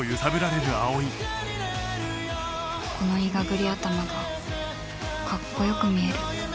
このいがぐり頭がかっこよく見える